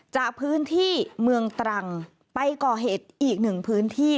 จากพื้นที่เมืองตรังไปก่อเหตุอีกหนึ่งพื้นที่